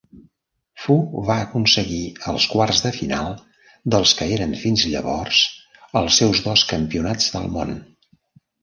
Fu va aconseguir els quarts de final dels que eren fins llavors els seus dos campionats del món.